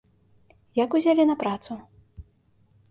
Як узялі на працу?